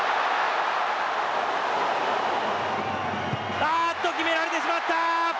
あーっと、決められてしまった。